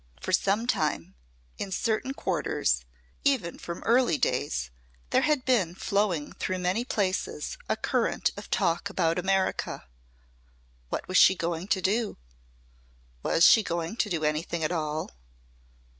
For some time in certain quarters even from early days there had been flowing through many places a current of talk about America. What was she going to do? Was she going to do anything at all?